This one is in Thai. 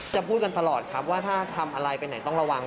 จะพูดกันตลอดครับว่าถ้าทำอะไรไปไหนต้องระวัง